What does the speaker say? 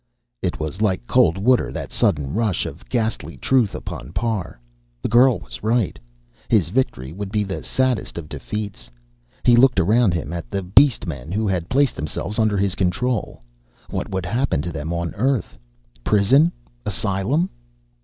It was like cold water, that sudden rush of ghastly truth upon Parr. The girl was right. His victory would be the saddest of defeats. He looked around him at the beast men who had placed themselves under his control what would happen to them on Earth? Prison? Asylum?